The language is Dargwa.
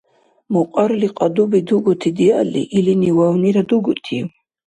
Мукьарли кьадуби дугути диалли, илини вавнира дугутив?